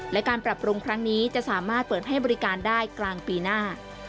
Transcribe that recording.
และการปรับปรุงครั้งนี้จะสามารถเปิดให้บริการได้กลางปีหน้า